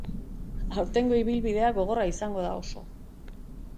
Aurtengo ibilbidea gogorra izango da oso.